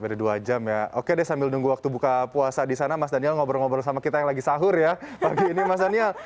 dari dua jam ya oke deh sambil nunggu waktu buka puasa di sana mas daniel ngobrol ngobrol sama kita yang lagi sahur ya pagi ini mas daniel